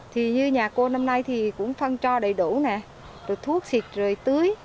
thì như nhà cô năm nay thì cũng phân cho đầy đủ này rồi thuốc xịt rồi tưới